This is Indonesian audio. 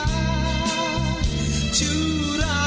ku kan pergi bersamanya